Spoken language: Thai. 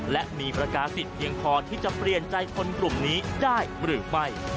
และมีประกาศิษย์เพียงพอที่จะเปลี่ยนใจคนกลุ่มนี้ได้หรือไม่